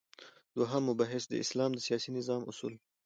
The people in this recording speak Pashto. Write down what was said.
دوهم مبحث : د اسلام د سیاسی نظام اصول